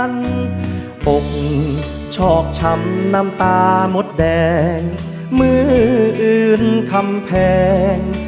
องค์ชอบชำน้ำตาหมดแดงมืออื้นคำแพง